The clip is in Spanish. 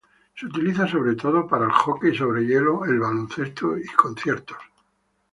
Se utiliza sobre todo para el hockey sobre hielo, el baloncesto y para conciertos.